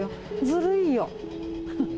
ずるいよ。